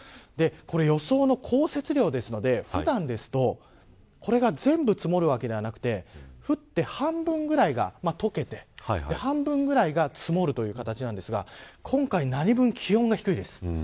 予想の降雪量なので普段ですと、これが全部積もるわけではなくて降って半分ぐらいが解けて半分ぐらいが積もるという形なんですが今回、なにぶん気温が低いです。